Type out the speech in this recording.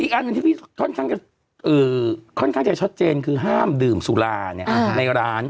อันหนึ่งที่พี่ค่อนข้างจะชัดเจนคือห้ามดื่มสุราในร้าน